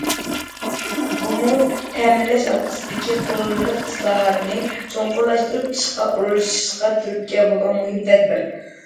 بۇمۇ، تەمىنلەش ھالقىسىدىكى قۇرۇلمىلىق ئىسلاھاتنى چوڭقۇرلاشتۇرۇپ، ئىشقا ئورۇنلىشىشقا تۈرتكە بولىدىغان مۇھىم تەدبىر.